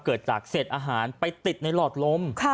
เกิดจากเศษอาหารไปติดในหลอดลม